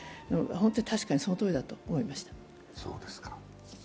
本当に確かにそのとおりだと思いました。